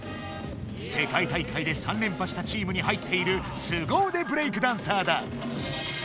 せかい大会で３れんぱしたチームに入っているすごうでブレイクダンサーだ。